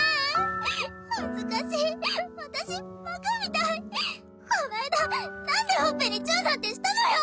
恥ずかしい私バカみたいこの間何でほっぺにチューなんてしたのよ！